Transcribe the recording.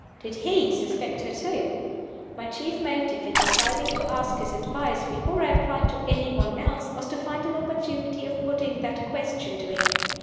Did he suspect her too? My chief motive in deciding to ask his advice before I applied to any one else was to find an opportunity of putting that question to him.